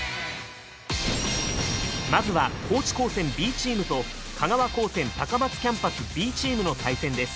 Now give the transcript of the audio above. まずは高知高専Ｂチームと香川高専高松キャンパスＢチームの対戦です。